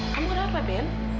kamu kenapa ben